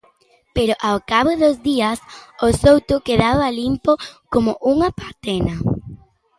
Pero ao cabo dos días o souto quedaba limpo como unha patena.